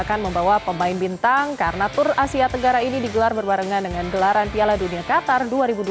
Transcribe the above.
akan membawa pemain bintang karena tur asia tenggara ini digelar berbarengan dengan gelaran piala dunia qatar dua ribu dua puluh